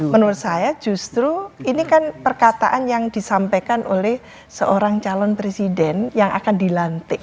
menurut saya justru ini kan perkataan yang disampaikan oleh seorang calon presiden yang akan dilantik